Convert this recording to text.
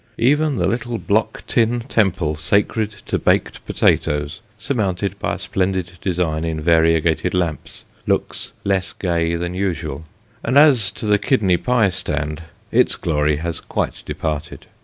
Even the little block tin temple sacred to baked potatoes, surmounted by a splendid design in variegated lamps, looks less gay than usual ; and as to the kidney pie stand, its glory has quite departed.